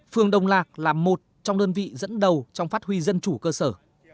phường đồng lạc là một trong đơn vị dẫn đầu trong phát huy dân chủ cơ sở